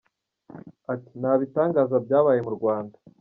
Ati “Nta bitangaza byabaye mu Rwanda.